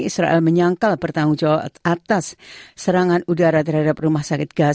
saya pikir itu adalah sebuah fitur